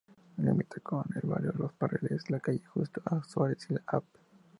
Limita con el Barrio Los Perales, la calle Justo A. Suárez y la Av.